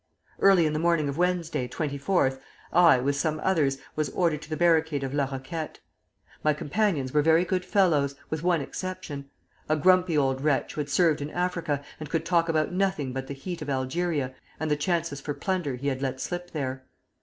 Early in the morning of Wednesday 24th, I, with some others, was ordered to the barricade of La Roquette. My companions were very good fellows, with one exception, a grumpy old wretch who had served in Africa, and could talk about nothing but the heat of Algeria and the chances for plunder he had let slip there.